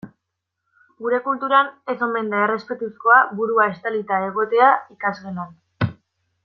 Gure kulturan ez omen da errespetuzkoa burua estalita egotea ikasgelan.